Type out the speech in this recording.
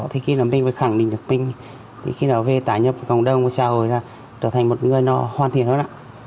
thì mình phải khẳng định được mình khi nào về tải nhập cộng đồng xã hội là trở thành một người hoàn thiện hơn